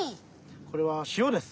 これはしおです。